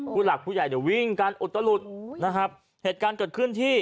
ผู้หลักผู้ใหญ่เนี่ยวิ่งกันอุตลุดนะครับเหตุการณ์เกิดขึ้นที่